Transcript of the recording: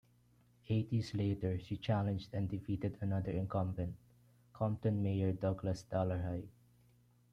Eight years later she challenged and defeated another incumbent, Compton Mayor Douglas Dollarhide.